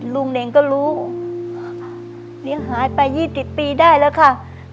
ลูกเน็นก็รู้เนี้ยหายไปยี่สิบปีได้แล้วค่ะ